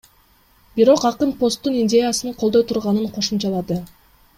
Бирок акын посттун идеясын колдой турганын кошумчалады.